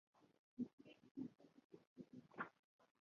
Greek ভাষা থেকে এসেছে।